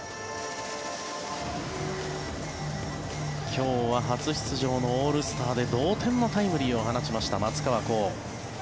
今日は初出場のオールスターで同点のタイムリーを放ちました松川虎生。